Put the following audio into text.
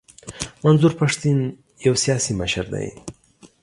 منظور پښتین یو سیاسي مشر دی.